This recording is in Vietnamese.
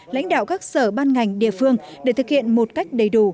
lãnh đạo các sở ban ngành địa phương để thực hiện một cách đầy đủ